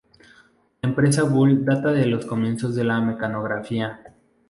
La empresa Bull data de los comienzos de la mecanografía.